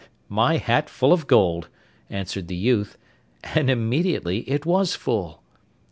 'My hat full of gold,' answered the youth, and immediately it was full.